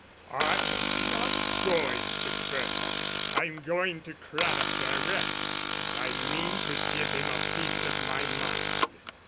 "I'm not going to Bertha; I'm going to Craddock direct, and I mean to give him a piece of my mind."